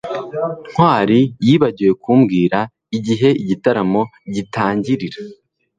ntwali yibagiwe kumbwira igihe igitaramo gitangirira